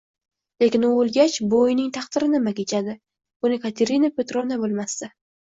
Lekin u oʻlgach, bu uyning taqdiri nima kechadi – buni Katerina Petrovna bilmasdi.